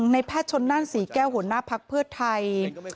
ในแพทย์ชนนั่นศรีแก้วหัวหน้าภักดิ์เพื่อไทย